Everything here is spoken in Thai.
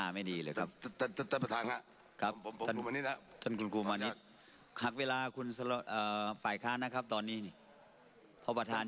มียอมเล่นทิ้ง